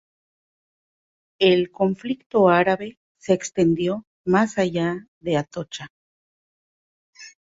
El conflicto árabe se extendió más allá de Atocha.